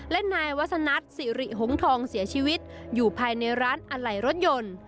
และนายวัฒนัทสิริหงทองเสียชีวิตอยู่ภายในร้านอะไหล่รถยนต์